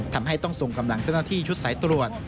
ทำให้ต้องส่งกำลังเจ้าหน้าที่ชุดสายตรวจ